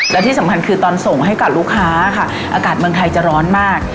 และที่สำคัญคือตอนส่งให้กับลูกค้าค่ะอากาศเมืองไทยจะร้อนมาก